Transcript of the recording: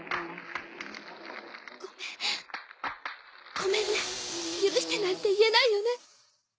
ごめんごめんね許してなんて言えないよね。